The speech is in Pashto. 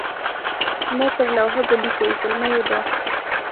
زما پر لوحه به لیکئ زلمیو دا.